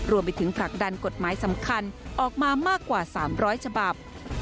ผลักดันกฎหมายสำคัญออกมามากกว่า๓๐๐ฉบับ